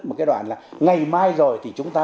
một cái đoạn là ngày mai rồi thì chúng ta